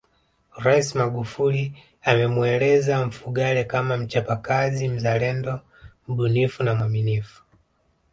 Rais Magufuli amemueleza Mfugale kama mchapakazi mzalendo mbunifu na mwaminifu